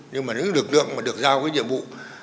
nhưng mà những lực lượng mà được giao cái nhiệm vụ